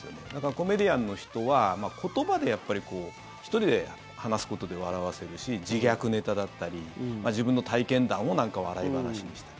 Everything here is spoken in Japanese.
コメディアンの人は言葉で１人で話すことで笑わせるし自虐ネタだったり自分の体験談なんかを笑い話にしたり。